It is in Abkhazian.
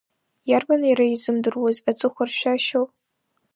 Иарбан иара изымдыруаз аҵыхәаршәшәашьоу?